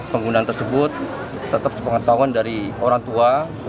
penggunaan tersebut tetap sepengetahuan dari orang tua